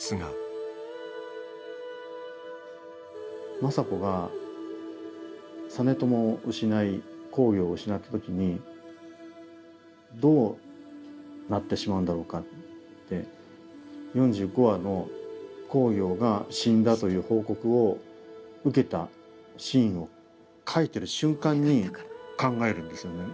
政子が実朝を失い公暁を失った時にどうなってしまうんだろうかって４５話の公暁が死んだという報告を受けたシーンを書いてる瞬間に考えるんですよね。